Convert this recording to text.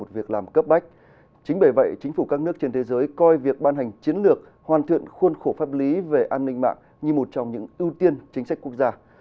bởi vậy chính phủ các nước trên thế giới coi việc ban hành chiến lược hoàn thiện khuôn khổ pháp lý về an ninh mạng như một trong những ưu tiên chính sách quốc gia